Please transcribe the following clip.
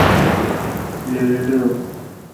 慕容廆后为其在辽西侨置乐浪郡。